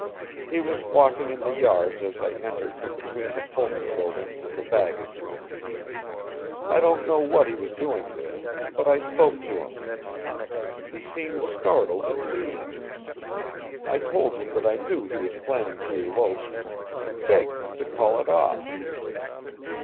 "He was walking in the yards as I entered from between the Pullman building and the baggage room. I don't know what he was doing there but I spoke to him. He seemed startled at seeing me. I told him that I knew he was planning to elope and begged him to call it off.